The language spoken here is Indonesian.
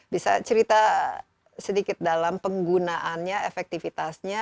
bisa cerita sedikit dalam penggunaannya efektivitasnya